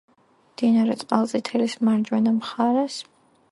მდინარე წყალწითელის მარჯვენა მხარეს.